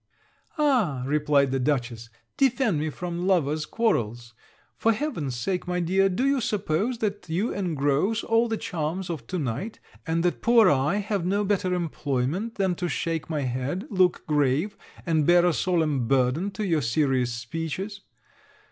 'Ah,' replied the Dutchess, 'defend me from lovers' quarrels! For heaven's sake, my dear, do you suppose that you engross all the charms of to night, and that poor I have no better employment than to shake my head, look grave, and bear a solemn burden to your serious speeches.